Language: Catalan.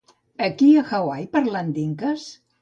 Aquí a Hawaii parlant d'inques?